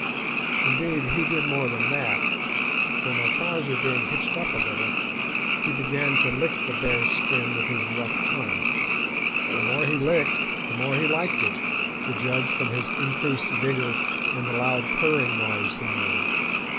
Indeed, he did more than that, for, my trouser being hitched up a little, he began to lick the bare skin with his rough tongue. The more he licked the more he liked it, to judge from his increased vigour and the loud purring noise he made.